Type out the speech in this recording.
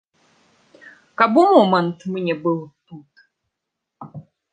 Каб у момант мне быў тут.